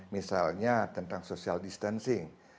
misalnya tentang social distancing